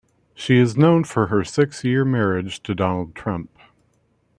She is known for her six-year marriage to Donald Trump.